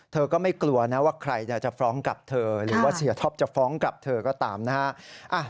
เธอก็ไม่กลัวนะว่าใครจะฟ้องกับเธอหรือว่าเสียท็อปจะฟ้องกลับเธอก็ตามนะฮะ